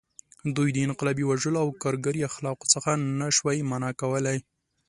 دوی د انقلابي وژلو او کارګري اخلاقو څخه نه شوای منع کولی.